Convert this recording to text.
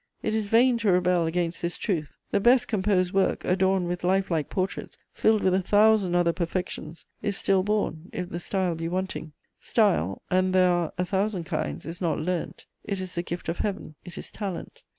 It is vain to rebel against this truth: the best composed work, adorned with life like portraits, filled with a thousand other perfections, is still born if the style be wanting. Style, and there are a thousand kinds, is not learnt; it is the gift of Heaven, it is talent.